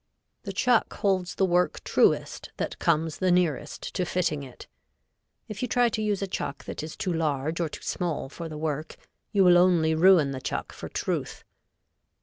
The chuck holds the work truest that comes the nearest to fitting it. If you try to use a chuck that is too large or too small for the work, you will only ruin the chuck for truth.